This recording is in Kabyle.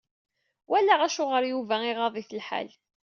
Walaɣ acuɣer Yuba iɣaḍ-it lḥal.